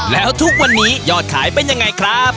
แล้วทุกวันนี้ยอดขายเป็นยังไงครับ